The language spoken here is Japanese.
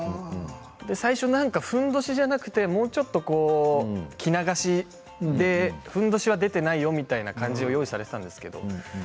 最初ふんどしではなくてもう少し着流しでふんどしは出ていないよみたいなものが用意されていたんですけど